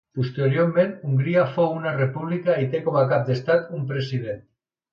Posteriorment Hongria fou una república i té com a cap d'estat un president.